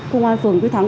công an phường quyết thắng